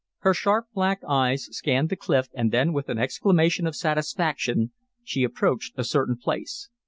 Her sharp, black eyes scanned the cliff and then with an exclamation of satisfaction she approached a certain place.